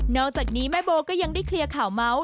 อกจากนี้แม่โบก็ยังได้เคลียร์ข่าวเมาส์